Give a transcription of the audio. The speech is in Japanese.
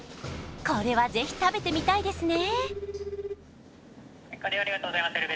これはぜひ食べてみたいですね